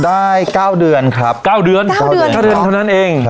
ได้เก้าเดือนครับ๙เดือนเท่านั้นเอง